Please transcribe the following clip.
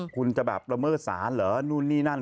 คุณจะแบบละเมิดศาลเหรอนู่นนี่นั่น